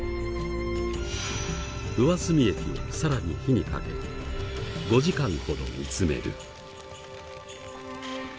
上澄み液を更に火にかけ５時間ほど煮詰める。